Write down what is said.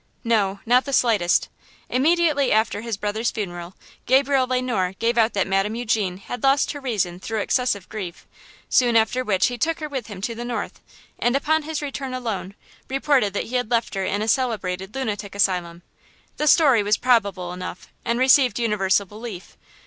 "No; not the slightest. Immediately after his brother's funeral, Gabriel Le Noir gave out that Madame Eugene had lost her reason through excessive grief, soon after which he took her with him to the North, and, upon his return alone, reported that he had left her in a celebrated lunatic asylum. The story was probable enough, and received universal belief.